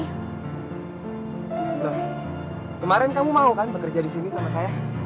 tunggu kemarin kamu mau kan bekerja disini sama saya